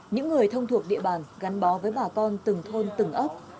những người thông thuộc địa bàn gắn bó với bà con từng thôn từng ấp